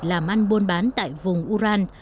làm ăn buôn bán tại vùng uran